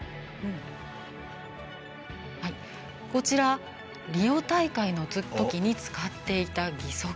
こちら、リオ大会のときに使っていた義足。